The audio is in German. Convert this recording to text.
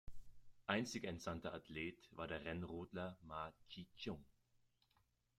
Einziger entsandter Athlet war der Rennrodler Ma Chich-hung.